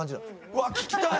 うわ聞きたい！